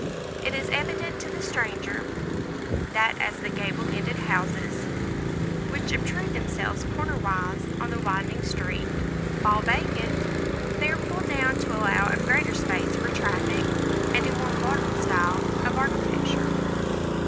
It is evident to the stranger, that as the gable ended houses, which obtrude themselves corner wise on the widening street, fall vacant, they are pulled down to allow of greater space for traffic, and a more modern style of architecture.